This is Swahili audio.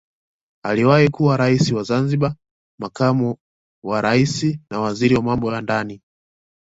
Aliwahi kuwa rais wa Zanzibar makamu wa rais na waziri wa Mambo ya ndani